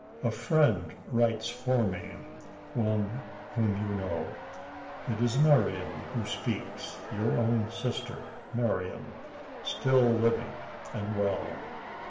A friend writes for me one whom you know. It is Marian who speaks your own sister Marian still living and well.